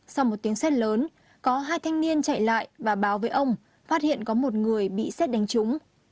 sau một tiếng xe lớn có hai thanh niên chạy lại và báo với ông phát hiện có một người bị xét đánh trúng